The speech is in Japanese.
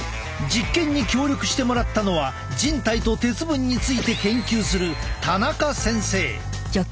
実験に協力してもらったのは人体と鉄分について研究する田中先生。